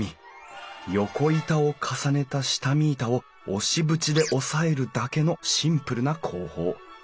横板を重ねた下見板を押し縁で押さえるだけのシンプルな工法。